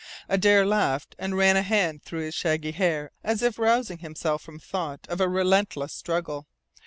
Adare laughed, and ran a hand through his shaggy hair as if rousing himself from thought of a relentless struggle.